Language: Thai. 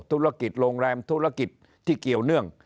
ธุรกิจโรงแรมธุรกิจที่เกี่ยวเนื่อง